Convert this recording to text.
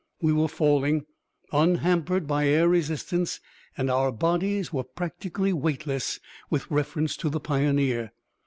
We were falling, unhampered by air resistance, and our bodies were practically weightless with reference to the Pioneer.